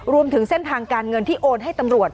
รวมถึงเส้นทางการเงินที่โอนให้ตำรวจ